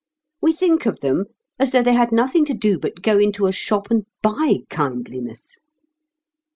We think of them as though they had nothing to do but go into a shop and buy kindliness.